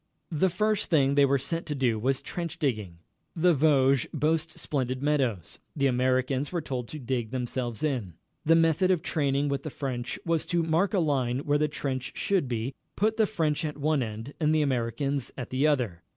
The first thing they were set to do was trench digging. The Vosges boast splendid meadows. The Americans were told to dig themselves in. The method of training with the French was to mark a line where the trench should be, put the French at one end and the Americans at the other.